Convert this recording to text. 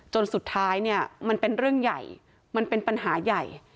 จนสุดท้ายเนี่ยมันเป็นเรื่องใหญ่มันเป็นปัญหาใหญ่